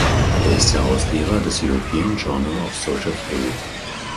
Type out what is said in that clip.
Er ist Herausgeber des "European Journal of Social Theory".